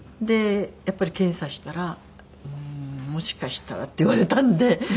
でやっぱり検査したら「うーん。もしかしたら」って言われたんで。